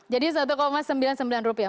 jadi satu sembilan puluh sembilan rupiah